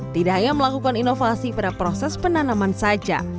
tidak hanya melakukan inovasi pada proses penanaman saja